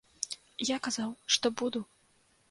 Я казаў, што буду!